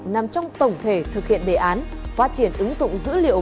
nằm trong tổng thể thực hiện đề án phát triển ứng dụng dữ liệu